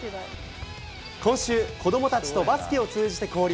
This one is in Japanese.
今週、子どもたちとバスケを通じて交流。